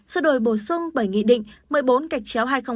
do đổi bổ sung bởi nghị định một mươi bốn cạch chéo hai nghìn hai mươi hai